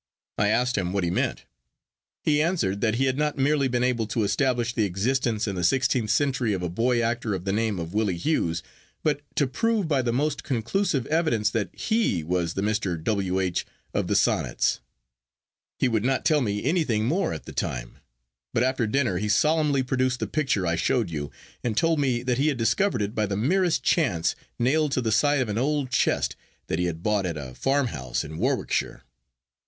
I asked him what he meant. He answered that he had not merely been able to establish the existence in the sixteenth century of a boy actor of the name of Willie Hughes, but to prove by the most conclusive evidence that he was the Mr. W. H. of the Sonnets. He would not tell me anything more at the time; but after dinner he solemnly produced the picture I showed you, and told me that he had discovered it by the merest chance nailed to the side of an old chest that he had bought at a farmhouse in Warwickshire.